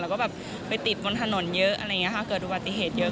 แล้วก็ไปติดบนถนนเยอะถ้าเกิดวัตถิเหตุเยอะ